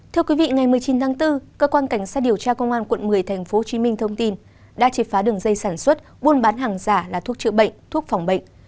thưa quý vị ngày một mươi chín tháng bốn cơ quan cảnh sát điều tra công an quận một mươi tp hcm thông tin đã chế phá đường dây sản xuất buôn bán hàng giả là thuốc chữa bệnh thuốc phòng bệnh